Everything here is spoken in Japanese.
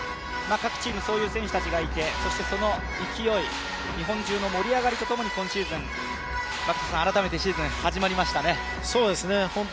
各チームそういう選手たちがいて、その勢い、日本中の盛り上がりとともに改めてシーズン、始まりましたね。